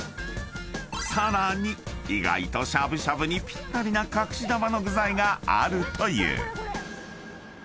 ［さらに意外としゃぶしゃぶにぴったりな隠し玉の具材があるという］